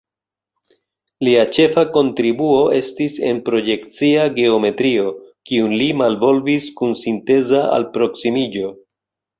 Lia ĉefa kontribuo estis en projekcia geometrio, kiun li malvolvis kun sinteza alproksimiĝo.